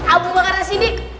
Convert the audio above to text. abu bakar asyidik